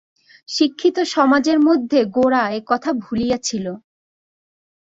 শিক্ষিতসমাজের মধ্যে গোরা এ কথা ভুলিয়াছিল।